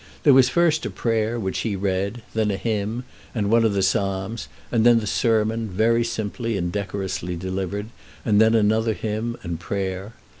There was first a prayer, which he read; then a hymn, and one of the Psalms; then the sermon, very simply and decorously delivered; then another hymn, and prayer.